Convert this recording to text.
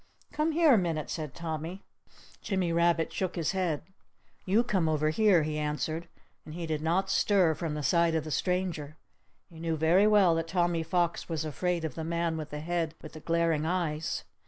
"Come here a minute!" said Tommy. Jimmy Rabbit shook his head. "You come over here!" he answered. And he did not stir from the side of the stranger. He knew very well that Tommy Fox was afraid of the man with the head with the glaring eyes.